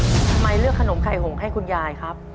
ทำไมเลือกขนมไข่หงให้คุณยายครับ